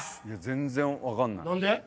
全然分かんない。